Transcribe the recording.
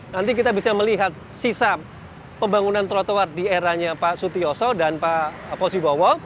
nanti kita bisa melihat sisa pembangunan trotoar di eranya pak sutioso dan pak posibowo